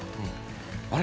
あれ？